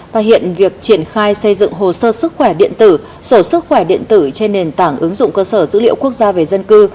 và hiện việc triển khai xây dựng hồ sơ sức khỏe điện tử sổ sức khỏe điện tử trên nền tảng ứng dụng cơ sở dữ liệu quốc gia về dân cư